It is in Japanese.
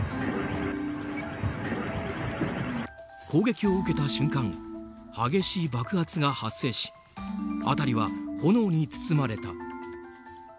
攻撃を受けた瞬間激しい爆発が発生し辺りは炎に包まれた。